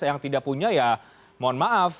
yang tidak punya ya mohon maaf